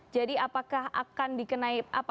jadi apakah akan dikenai apa